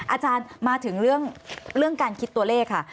อาจารย์มาถึงเรื่องการคิดตัวเลขค่ะ